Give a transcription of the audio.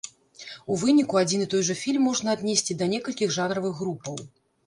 У выніку адзін і той жа фільм можна аднесці да некалькіх жанравых групаў.